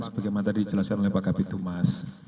sebagai yang tadi dijelaskan oleh pak kapitan